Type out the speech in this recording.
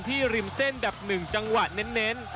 ที่ริมเส้นแบบหนึ่งจังหวะเน้น